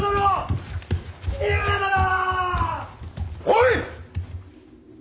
おい！